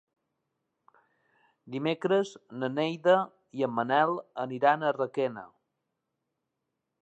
Dimecres na Neida i en Manel aniran a Requena.